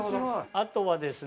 あとはですね